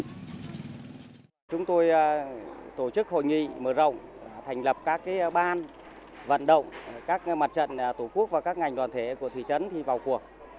chúng tôi tổ chức hội nghị mở rộng thành lập các ban vận động các mặt trận tổ quốc và các ngành đoàn thể của thị trấn vào cuộc